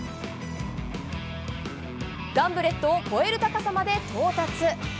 ガンブレットの超える高さまで到達。